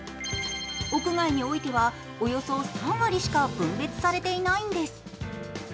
屋外においては、およそ３割しか分別されていないんです。